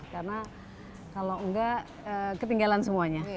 karena kalau enggak ketinggalan semuanya